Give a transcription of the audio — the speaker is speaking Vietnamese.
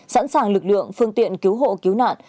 sẵn sàng lực lượng phương tiện cứu hộ cứu nạn